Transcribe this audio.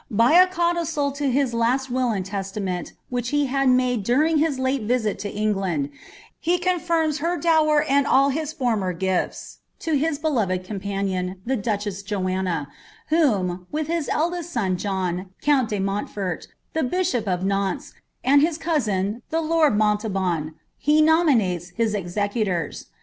By a codicil to his last will and testament, which he had made during his iaie Tisit to England, he confirms her dower and all his former gifts to his beloved companion, the duchess Joanna,' whom, with his eldest son John, count de Montfort, the bishop of Nantes, and his cousin the lord Montauban, he nominates his executors.